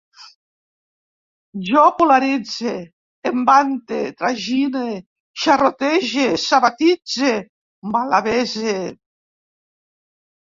Jo polaritze, em vante, tragine, xarrotege, sabatitze, malavese